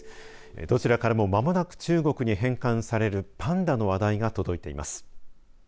どちらからもまもなく中国に返還されるパンダの話題が届いています。